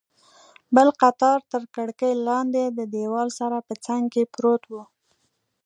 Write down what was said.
بل قطار تر کړکۍ لاندې، د دیوال سره په څنګ کې پروت و.